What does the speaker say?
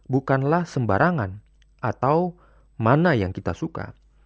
bukanlah sembarangan atau mana yang kita suka